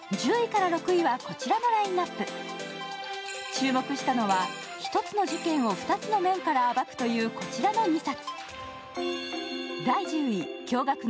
注目したのは、一つの事件を２つの面から暴くというこちらの２冊。